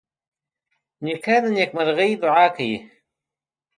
نیکه د نیکمرغۍ دعاوې کوي.